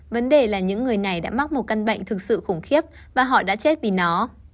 vấn đề là những người này đã mắc một căn bệnh thực sự khủng khiếp và họ đã chết vì nó